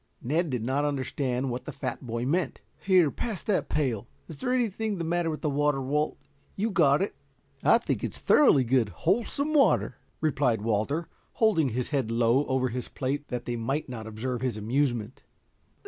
Ned did not understand what the fat boy meant. "Here, pass that pail. Is there anything the matter with that water, Walt? You got it." "I think it is thoroughly good, wholesome water," replied Walter, holding his head low over his plate that they might not observe his amusement.